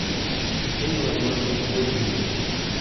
ہن وجوسم کُری ہی